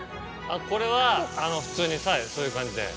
これは普通にはいそういう感じで。